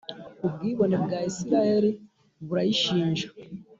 Ubwibone bwa Israheli burayishinja,